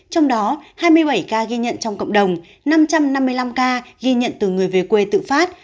trong đó hai mươi bảy ca ghi nhận trong cộng đồng năm trăm năm mươi năm ca ghi nhận từ người về quê tự phát